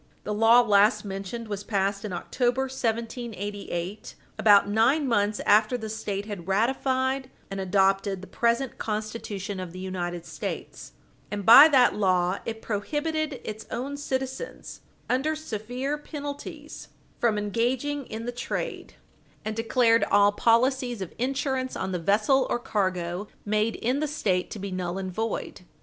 The law last mentioned was passed in October, 1788, about nine months after the State had ratified and adopted the present Constitution of the United States, and, by that law, it prohibited its own citizens, under severe penalties, from engaging in the trade, and declared all policies of insurance on the vessel or cargo made in the State to be null and void.